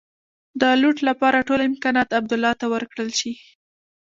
د لوټ لپاره ټول امکانات عبدالله ته ورکړل شي.